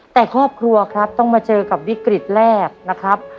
แต่ครอบครัวครับต้องมาเจอกับวิกฤตแรกนะครับ